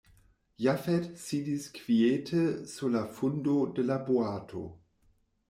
Jafet sidis kviete sur la fundo de la boato.